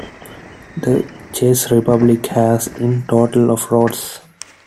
The Czech Republic has, in total, of roads.